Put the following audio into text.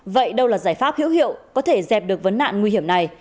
vậy đâu là giải pháp hữu hiệu có thể dẹp được vấn nạn nguy hiểm này